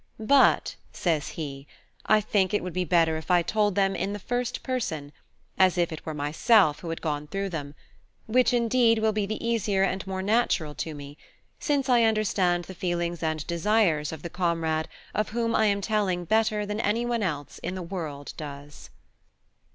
But, says he, I think it would be better if I told them in the first person, as if it were myself who had gone through them; which, indeed, will be the easier and more natural to me, since I understand the feelings and desires of the comrade of whom I am telling better than any one else in the world does.